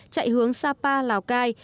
chạy hướng sapa lào cai